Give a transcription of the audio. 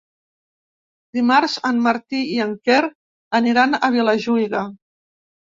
Dimarts en Martí i en Quer aniran a Vilajuïga.